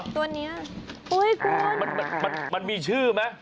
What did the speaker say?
ตัวนี้มันมีชื่อไหม